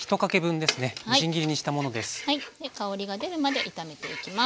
香りが出るまで炒めていきます。